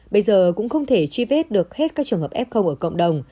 bây giờ cũng không thể truy vết được hết các trường hợp f ở cộng đồng